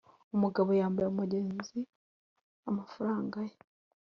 umugabo yambuye umugenzi amafaranga ye